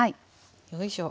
よいしょ。